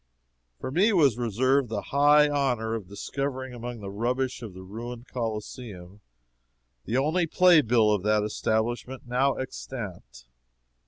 For me was reserved the high honor of discovering among the rubbish of the ruined Coliseum the only playbill of that establishment now extant.